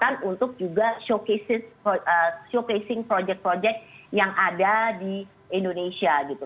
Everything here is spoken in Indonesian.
dan juga bisa mendapatkan tempatan untuk juga showcasing project project yang ada di indonesia gitu